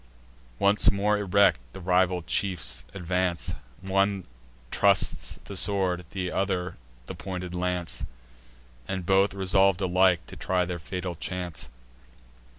Once more erect, the rival chiefs advance: One trusts the sword, and one the pointed lance; And both resolv'd alike to try their fatal chance.